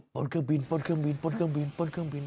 เครื่องบินป้นเครื่องบินป้นเครื่องบินป้นเครื่องบิน